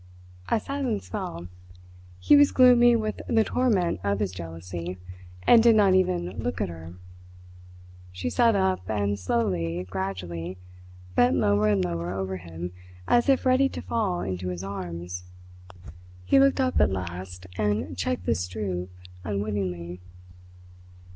A silence fell. He was gloomy with the torment of his jealousy, and did not even look at her. She sat up and slowly, gradually, bent lower and lower over him, as if ready to fall into his arms. He looked up at last, and checked this droop unwittingly.